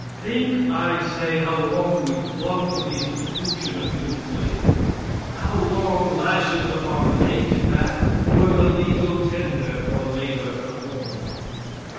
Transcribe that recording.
Think, I say, how long we clung to the institution of human slavery; how long lashes upon the naked back were the legal tender for labor performed!